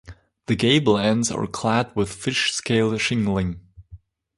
The gable ends are clad with fishscale shingling.